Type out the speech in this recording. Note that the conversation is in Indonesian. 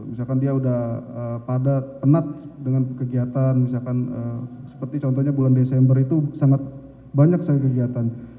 misalkan dia sudah penat dengan kegiatan misalkan bulan desember itu sangat banyak saya kegiatan